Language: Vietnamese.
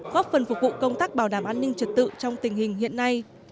góp phần phục vụ công tác bảo đảm an ninh trật tự trong tình hình hiện nay